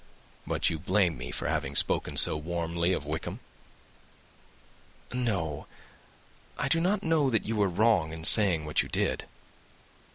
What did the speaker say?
"But you blame me for having spoken so warmly of Wickham?" "No I do not know that you were wrong in saying what you did."